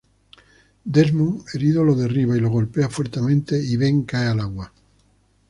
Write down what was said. Desmond herido lo derriba y lo golpea fuertemente y Ben cae al agua.